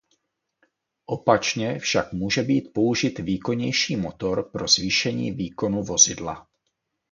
Opačně však může být použit výkonnější motor pro zvýšení výkonu vozidla.